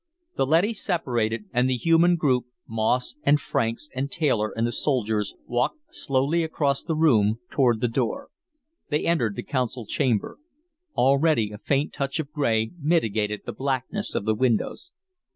The leadys separated, and the human group, Moss and Franks and Taylor and the soldiers, walked slowly across the room, toward the door. They entered the Council Chamber. Already a faint touch of gray mitigated the blackness of the windows.